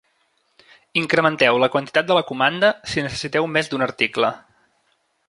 Incrementeu la quantitat de la comanda si necessiteu més d'un article.